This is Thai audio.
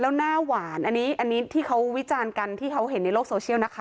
แล้วหน้าหวานอันนี้อันนี้ที่เขาวิจารณ์กันที่เขาเห็นในโลกโซเชียลนะคะ